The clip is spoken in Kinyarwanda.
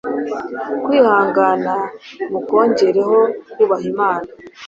kwihangana mukongereho kubaha Imana,